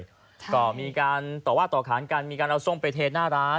ก็มีการต่อว่าต่อขานกันมีการเอาส้มไปเทหน้าร้าน